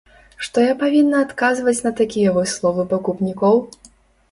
Што я павінна адказваць на такія вось словы пакупнікоў?